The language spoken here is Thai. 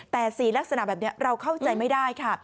แต่สีลักษณะแบบนี้เราเข้าใจไม่ได้ค่ะ